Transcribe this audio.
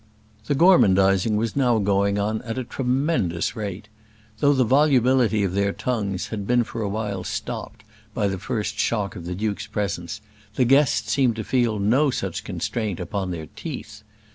The gormandizing was now going on at a tremendous rate. Though the volubility of their tongues had been for a while stopped by the first shock of the duke's presence, the guests seemed to feel no such constraint upon their teeth.